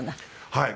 はい。